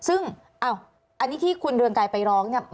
ซึ่งอันนี้ที่คุณเรือนกายไปร้อง